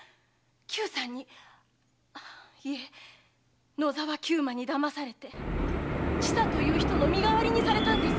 久さんにいえ野沢久馬に騙されて千佐という人の身代わりにされたんです！